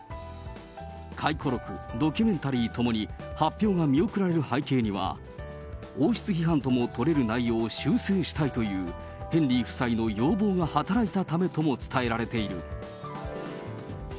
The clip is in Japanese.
回顧録、ドキュメンタリーともに、発表が見送られる背景には、王室批判とも取れる内容を修正したいという、ヘンリー夫妻の要望が働いたためとも伝えられている。